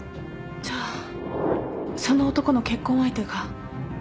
じゃあその男の結婚相手が。